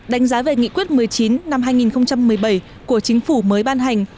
đánh giá về nghị quyết một mươi chín năm hai nghìn một mươi bảy của chính phủ mới ban hành